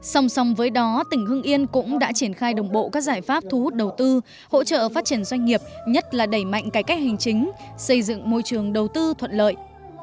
song song với đó tỉnh hưng yên cũng đã triển khai đồng bộ các giải pháp thu hút đầu tư hỗ trợ phát triển doanh nghiệp nhất là đẩy mạnh cải cách hành chính xây dựng môi trường đầu tư thuận lợi